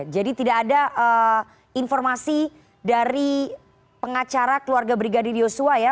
jadi tidak ada informasi dari pengacara keluarga brigadir yosua ya